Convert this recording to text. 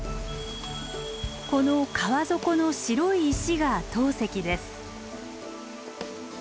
この川底の白い石が陶石です。